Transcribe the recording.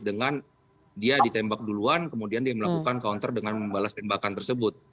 dengan dia ditembak duluan kemudian dia melakukan counter dengan membalas tembakan tersebut